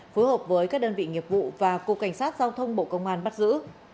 phối hợp với các đơn vị nghiệp vụ và cục cảnh sát giao thông bộ công an bắt giữ